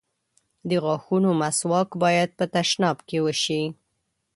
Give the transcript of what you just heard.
د غاښونو مسواک بايد په تشناب کې وشي.